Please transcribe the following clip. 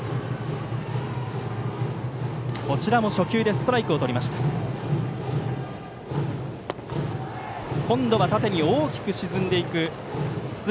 こちらも初球でストライクをとっています。